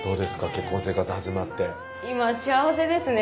結婚生活始まって今幸せですね